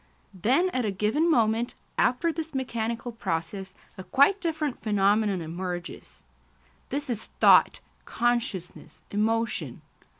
Then at a given moment, after this mechanical process, a quite different phenomenon emerges. This is thought, consciousness, emotion.